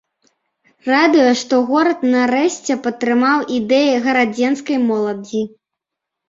Радуе, што горад нарэшце падтрымаў ідэі гарадзенскай моладзі.